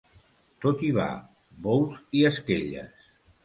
Tot hi va: bous i esquelles.